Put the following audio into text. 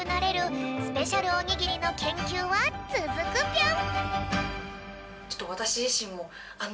スペシャルおにぎりのけんきゅうはつづくぴょん！